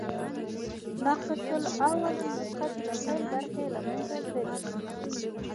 ناقص الاول نسخه، چي د پيل برخي ئې له منځه تللي يي.